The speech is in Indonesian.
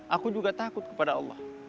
aku juga takut kepada allah